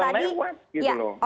bukan mewah gitu loh